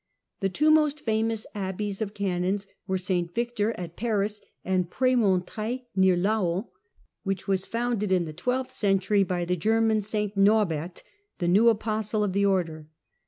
The two most famous abbeys of Canons were St Victor at Paris and Premontre near Laon, which was founded in the twelfth century by the German St ;N"orbert, the " new apostle " of the Order.